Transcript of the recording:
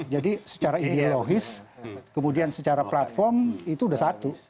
jadi secara ideologis kemudian secara platform itu udah satu